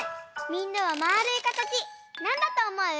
みんなはまあるいかたちなんだとおもう？